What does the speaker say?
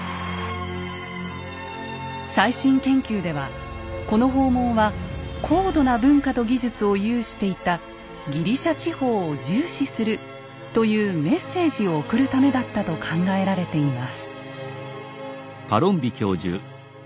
最新研究ではこの訪問は高度な文化と技術を有していたギリシャ地方を重視するというメッセージを送るためだったと考えられています。